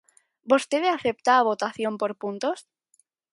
¿Vostede acepta a votación por puntos?